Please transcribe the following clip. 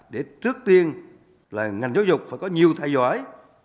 để trước tiên là ngành giáo dục phải có nhiều thầy giỏi